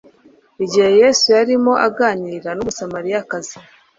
Igihe Yesu yarimo aganira n'Umusamariyakazi